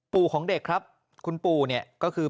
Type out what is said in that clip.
ของเด็กครับคุณปู่เนี่ยก็คือ